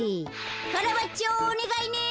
カラバッチョおねがいね。